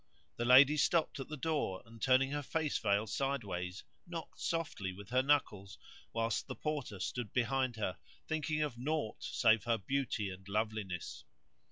The lady stopped at the door and, turning her face veil sideways, knocked softly with her knuckles whilst the Porter stood behind her, thinking of naught save her beauty and loveliness.